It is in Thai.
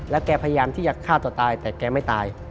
แกพยายามที่จะฆ่าตัวตายแต่แกไม่ตาย